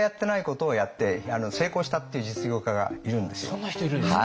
そんな人いるんですか。